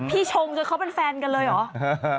ชงจนเขาเป็นแฟนกันเลยเหรอ